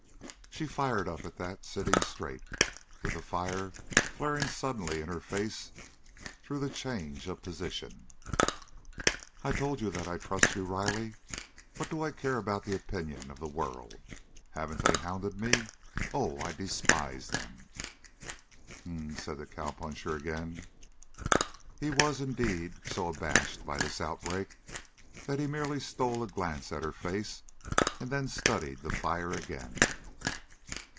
She fired up at that, sitting straight, with the fire flaring suddenly in her face through the change of position. "I've told you that I trust you, Riley. What do I care about the opinion of the world? Haven't they hounded me? Oh, I despise them!" "H'm," said the cowpuncher again. He was, indeed, so abashed by this outbreak that he merely stole a glance at her face and then studied the fire again.